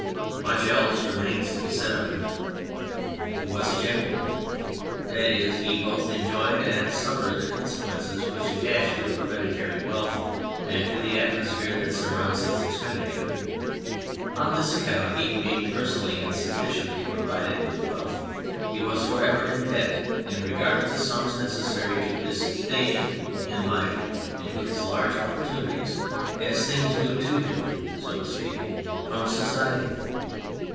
Much else remains to be said of him. 5Q THE FRENCH REVOLUTION He was a gentleman; that is, he both en joyed and suffered the consequences which attach to hereditary wealth and to the atmo sphere that surrounds its expenditure. On this account, he being personally insufficiently provided with wealth, he was for ever in debt, and regarded the sums necessary to his sta tion in life and to his large opportunities as things due to him, so to speak, from society.